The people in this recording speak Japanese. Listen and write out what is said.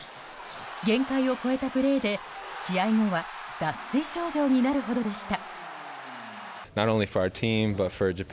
限界を超えたプレーで試合後は脱水症状になるほどでした。